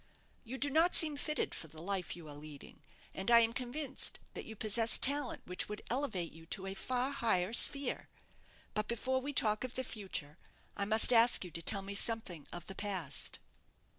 You do not seem fitted for the life you are leading; and I am convinced that you possess talent which would elevate you to a far higher sphere. But before we talk of the future, I must ask you to tell me something of the past."